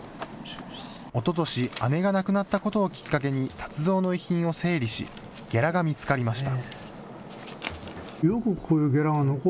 おととし、姉が亡くなったことをきっかけに達三の遺品を整理し、ゲラが見つかりました。